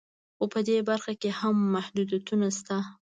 خو په دې برخه کې هم محدودیتونه شته